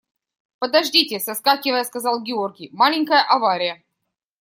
– Подождите, – соскакивая, сказал Георгий, – маленькая авария.